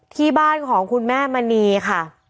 ที่บ้านของคุณแม่มณีค่ะ